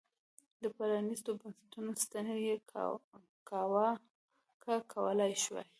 د پرانیستو بنسټونو ستنې یې کاواکه کولای شوای.